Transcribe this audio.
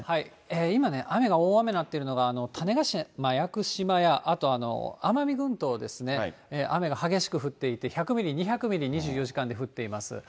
今ね、雨が大雨になってるのが、種子島、屋久島やあと奄美群島ですね、雨が激しく降っていて、１００ミリ、２００ミリ、２４時間で降っています。